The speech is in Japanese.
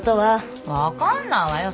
分かんないわよ